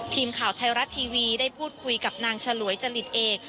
ทีมข่าวไทยรัฐทีวีได้พูดคุยกับนางฉลวยจริตเอก